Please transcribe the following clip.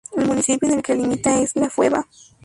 El municipio con el que más limita es el de La Fueva.